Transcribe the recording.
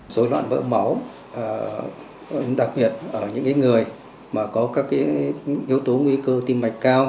dối loạn mỡ máu đặc biệt ở những người mà có các yếu tố nguy cơ tim mạch cao